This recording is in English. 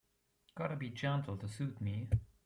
Gotta be gentle to suit me.